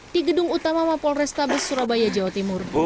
di gedung utama mapolrestabes surabaya jawa timur